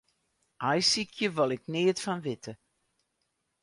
Aaisykjen wol ik neat fan witte.